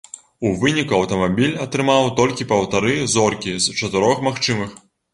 У выніку аўтамабіль атрымаў толькі паўтары зоркі з чатырох магчымых.